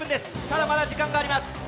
ただ、まだ時間があります。